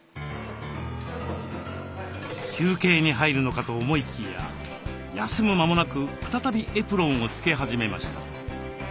休憩に入るのかと思いきや休む間もなく再びエプロンを着け始めました。